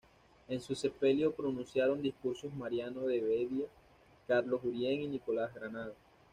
En su sepelio pronunciaron discursos Mariano de Vedia, Carlos Urien y Nicolás Granada.